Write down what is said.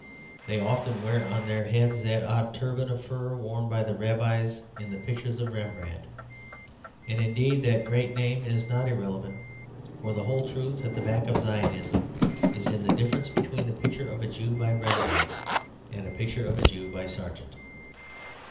They often wear on their heads that odd turban of fur worn by the Rabbis in the pictures of Rembrandt. And indeed that great name is not irrelevant; for the whole truth at the back of Zionism is in the difference between the picture of a Jew by Rembrandt and a picture of a Jew by Sargent.